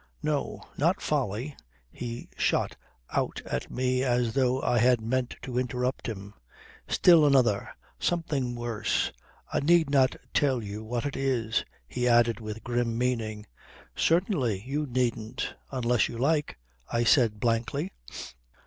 No. Not folly," he shot out at me as though I had meant to interrupt him. "Still another. Something worse. I need not tell you what it is," he added with grim meaning. "Certainly. You needn't unless you like," I said blankly.